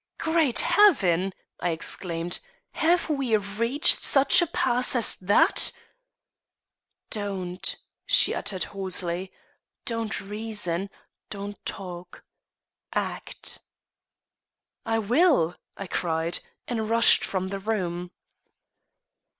"Great heaven!" I exclaimed. "Have we reached such a pass as that?" "Don't," she uttered, hoarsely; "don't reason; don't talk; act." "I will," I cried, and rushed from the room.